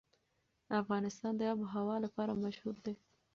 افغانستان د آب وهوا لپاره مشهور دی.